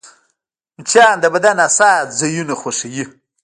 مچان د بدن حساس ځایونه خوښوي